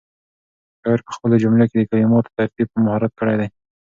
شاعر په خپلو جملو کې د کلماتو ترتیب په مهارت کړی دی.